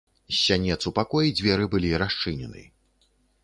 З сянец у пакой дзверы былі расчынены.